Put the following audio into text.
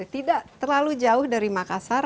tidak terlalu jauh dari makassar